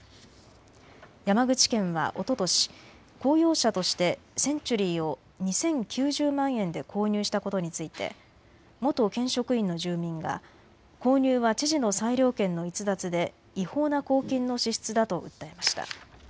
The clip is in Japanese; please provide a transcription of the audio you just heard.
山口県はおととし公用車としてセンチュリーを２０９０万円で購入したことについて元県職員の住民が購入は知事の裁量権の逸脱で違法な公金の支出だと訴えました。